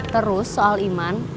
terus soal iman